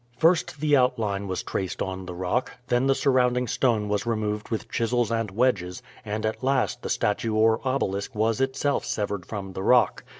First the outline was traced on the rock, then the surrounding stone was removed with chisels and wedges, and at last the statue or obelisk was itself severed from the rock.